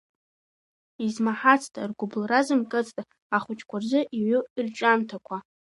Измаҳацда, ргәыбылра зымкыцда ахәыҷқәа рзы иҩу ирҿиамҭақәа…